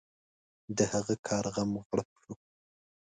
د هغه کار غم غړپ شو.